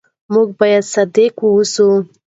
موږ باید صادق واوسو.